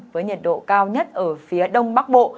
với nhiệt độ cao nhất ở phía đông bắc bộ